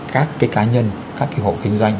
các cái cá nhân các cái hộ kinh doanh